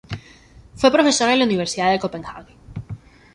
Fue profesor en la Universidad de Copenhague.